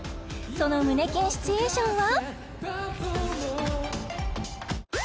その胸キュンシチュエーションは？